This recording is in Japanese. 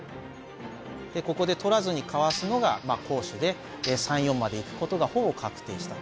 でここで取らずにかわすのが好手で３四まで行くことがほぼ確定したと。